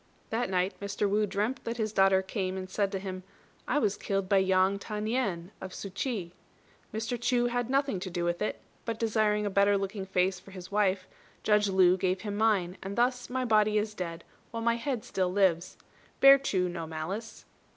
That night Mr. Wu dreamt that his daughter came and said to him, "I was killed by Yang Ta nien, of Su ch'i. Mr. Chu had nothing to do with it; but desiring a better looking face for his wife, Judge Lu gave him mine, and thus my body is dead while my head still lives. Bear Chu no malice."